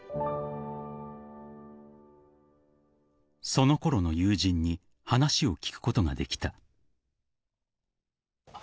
［そのころの友人に話を聞くことができた］